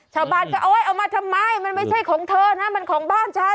ชาวบ้านก็โอ๊ยเอามาทำไมมันไม่ใช่ของเธอนะมันของบ้านฉัน